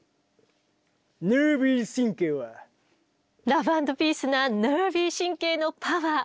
ラブ＆ピースなｎｅｒｖｙ神経のパワー。